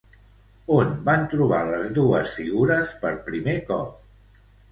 On van trobar les dues figures per primer cop?